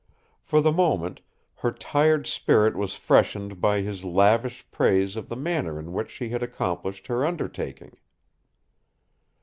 For the moment, her tired spirit was freshened by his lavish praise of the manner in which she had accomplished her undertaking.